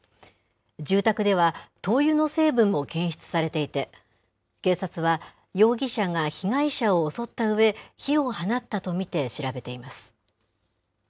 住宅では、灯油の成分も検出されていて、警察は、容疑者が被害者を襲ったうえ、火を放ったと見て調べています。